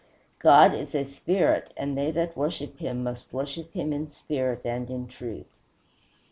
God is a Spirit, and they that worship him must worship him in spirit and in truth."